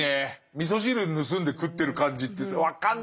みそ汁盗んで食ってる感じって分かるんだよ。